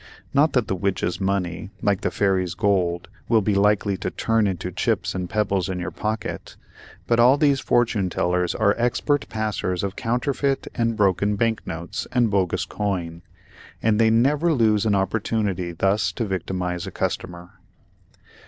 Not that the witches' money, like the fairies' gold, will be likely to turn into chips and pebbles in your pocket, but all these fortune tellers are expert passers of counterfeit and broken bank notes and bogus coin; and they never lose an opportunity thus to victimize a customer.